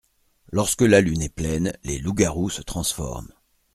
Lorsque la lune est pleine, les loups-garous se transforment.